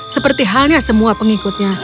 seperti halnya semua pengikutnya